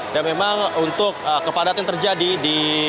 dan memang untuk kepadatan yang terjadi di